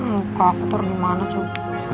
muka aku tuh gimana tuh